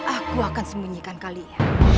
aku akan sembunyikan kalian